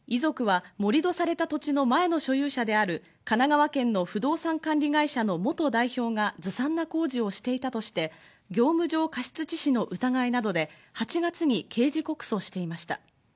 遺族は盛り土された土地の前の所有者である神奈川県の不動産管理会社の元代表がずさんな工事をしていたとして、業務上過失致死などの疑いで８月に刑事告訴していました。